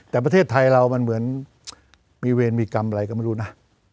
แต่ประเทศไทยเรามันเหมือนมีเวรมีกรรมอะไรก็ไม่รู้นะ